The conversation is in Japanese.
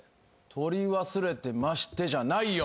取り忘れてましてじゃないよ